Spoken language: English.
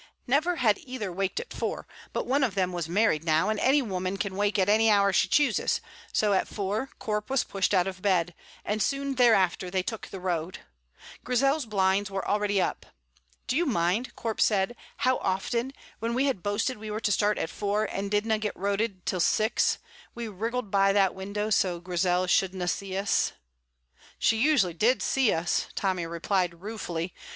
Never had either waked at four; but one of them was married now, and any woman can wake at any hour she chooses, so at four Corp was pushed out of bed, and soon thereafter they took the road. Grizel's blinds were already up. "Do you mind," Corp said, "how often, when we had boasted we were to start at four and didna get roaded till six, we wriggled by that window so that Grizel shouldna see us?" "She usually did see us," Tommy replied ruefully.